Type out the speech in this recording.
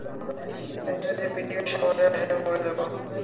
কিন্তু যদি পৃথিবীর সামনে আসে, -আমি মরে যাব।